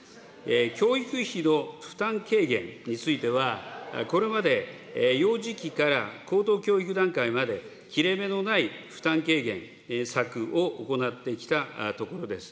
教育費の負担軽減については、これまで幼児期から高等教育段階まで、切れ目のない負担軽減策を行ってきたところです。